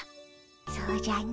そうじゃの。